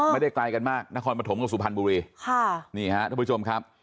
ไม่ได้ไกลกันมากนครปฐมกับสุพรรณบุรีค่ะนี่ฮะทุกผู้ชมครับ